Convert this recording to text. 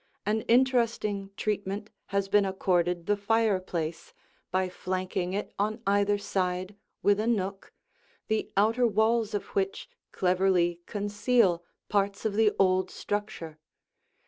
An interesting treatment has been accorded the fireplace by flanking it on either side with a nook, the outer walls of which cleverly conceal parts of the old structure.